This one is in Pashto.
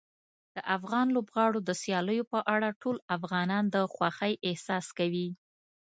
د افغان لوبغاړو د سیالیو په اړه ټول افغانان د خوښۍ احساس کوي.